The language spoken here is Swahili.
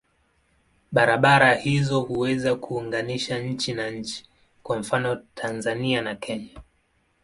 Barabara hizo huweza kuunganisha nchi na nchi, kwa mfano Tanzania na Kenya.